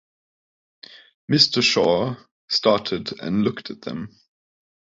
Mr. Shaw started and looked at them.